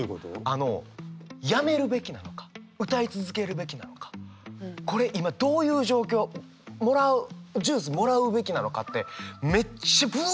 あのやめるべきなのか歌い続けるべきなのかこれ今どういう状況もらうジュースもらうべきなのかってめっちゃぶわあって頭働くんです